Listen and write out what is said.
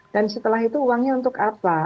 dan setelah itu uangnya untuk apa